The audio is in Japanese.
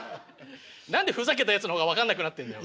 何でふざけたやつの方が分かんなくなってんだよ。